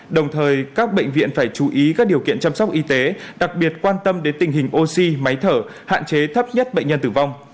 đồng thời các bệnh viện phải chú ý các điều kiện chăm sóc y tế đặc biệt quan tâm đến tình hình oxy máy thở hạn chế thấp nhất bệnh nhân tử vong